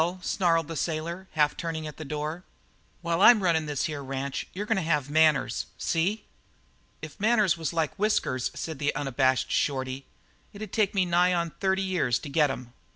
snarled the sailor, half turning at the door. "While I'm runnin' this here ranch you're goin' to have manners, see?" "If manners was like your whiskers," said the unabashed Shorty, "it'd take me nigh onto thirty years to get 'em."